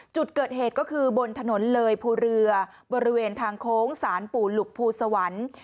จุดเกิดเหตุก็คือบนถนนเลยภูเรือบริเวณทางโค้งสารปู่หลุกภูสวรรค์